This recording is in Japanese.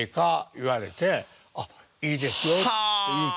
言われて「いいですよ」って言うて。